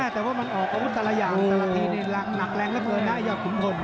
แต่ว่ามันออกกว่าพูดแต่ละอย่างแต่ละทีในหลังหนักแรงระเบิร์นนะอย่างขุมฝน